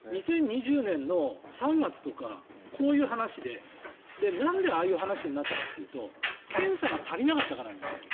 ２０２０年の３月とかこういう話でなんでああいう話になったかというと検査が足りなかったからなんですよ。